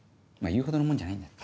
言うほどのもんじゃないんだよ。